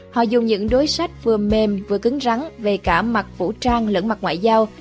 họ dùng những đối sách vừa mềm vừa cứng rắn về cả mặt vũ trang lẫn mặt ngoại giao